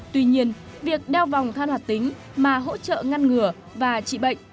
tuy nhiên việc đeo vòng than hoạt tính mà hỗ trợ ngăn ngừa và trị bệnh